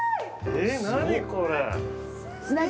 えっ何これ？